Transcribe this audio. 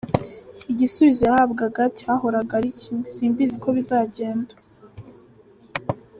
Igisubizo yahabwaga cyahoraga ari kimwe ‘simbizi uko bizagenda’.